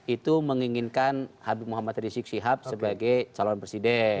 itu menginginkan habib muhammad rizik sihab sebagai calon presiden